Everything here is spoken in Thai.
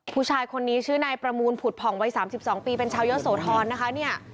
ผู้ชายคนนี้ชื่อนายประมูลผุดผ่องวัย๓๒ปีเป็นชาวเยอะโสธรนะคะเนี่ย